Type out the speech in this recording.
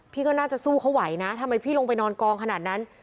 ก็น่าจะสู้เขาไหวนะทำไมพี่ลงไปนอนกองขนาดนั้น